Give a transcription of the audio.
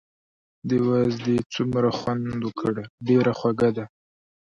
دې وازدې څومره خوند وکړ، ډېره خوږه ده.